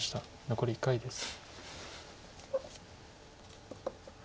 残り１回です。